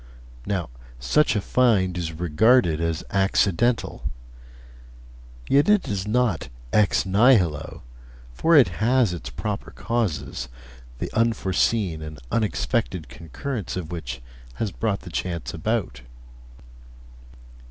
Now, such a find is regarded as accidental; yet it is not "ex nihilo," for it has its proper causes, the unforeseen and unexpected concurrence of which has brought the chance about.